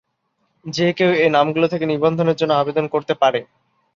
যে কেউ এই নামগুলো থেকে নিবন্ধনের জন্য আবেদন করতে পারে।